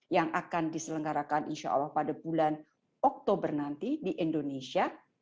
yang akan diselenggarakan insya allah pada bulan oktober nanti di indonesia